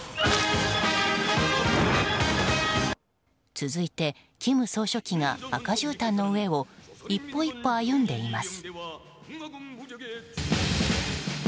続いて、金総書記が赤じゅうたんの上を一歩一歩歩んでいます。